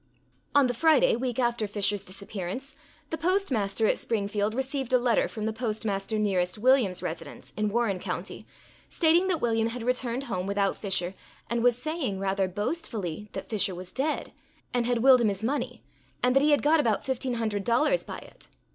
On the Friday, week after Fisher's disappearance, the Postmaster at Springfield received a letter from the Postmaster nearest William's residence, in Warren County, stating that William had returned home without Fisher, and was saying, rather boastfully, that Fisher was dead, and had willed him his money, and that he had got about fifteen hundred dollars by it.